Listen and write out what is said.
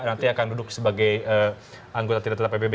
nanti akan duduk sebagai anggota tidak tetap pbb